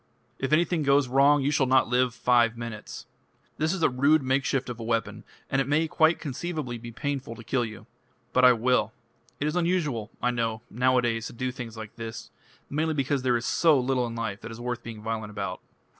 If anything goes wrong you shall not live five minutes. This is a rude makeshift of a weapon, and it may quite conceivably be painful to kill you. But I will. It is unusual, I know, nowadays to do things like this mainly because there is so little in life that is worth being violent about."